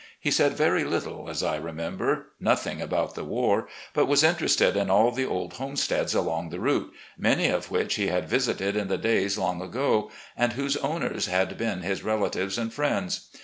He said very little, as I remember — ^nothing about the war — ^but was interested in all the old homesteads along the route, many of which he had visited in the days long ago and whose owners had been his relatives and friends.